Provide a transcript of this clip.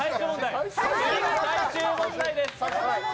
では、最終問題です。